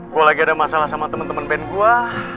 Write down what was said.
gue lagi ada masalah sama temen temen band gue